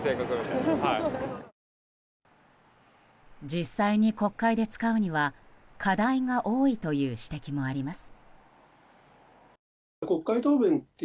実際に国会で使うには課題が多いという指摘もあります。